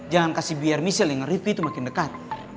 jangan biar misil yang ngereview tuh makin dekat